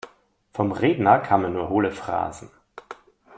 Vom Redner kamen nur hohle Phrasen.